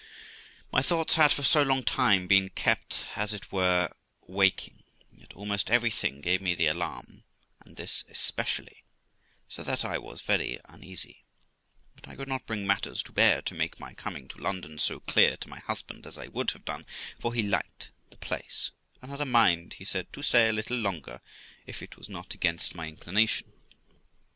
My thoughts had for so long time been kept, as it were, waking, that almost everything gave me the alarm, and this especially, so that I was very uneasy; but I could not bring matters to bear to make my coming to London so clear to my husband as I would have done; for he liked the place, and had a mind, he said, to stay a little longer, if it was not against my inclination!